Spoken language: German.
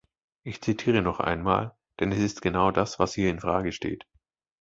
Ich zitiere noch einmal, denn es ist genau das, was hier in Frage steht.